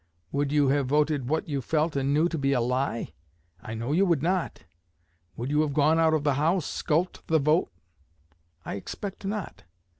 Would you have voted what you felt and knew to be a lie? I know you would not. Would you have gone out of the House skulked the vote? I expect not.